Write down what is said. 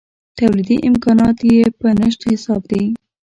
تولیدي امکانات یې په نشت حساب دي.